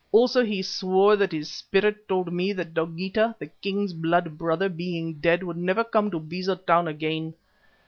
Also he swore that his spirit told me that Dogeetah, the king's blood brother, being dead, would never come to Beza Town again.